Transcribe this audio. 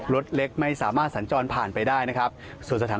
รถเล็กไม่สามารถสั่นจ้อนผ่านไปได้ส่วนสถานการณ์